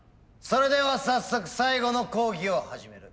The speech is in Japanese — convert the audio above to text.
それでは早速最後の講義を始める。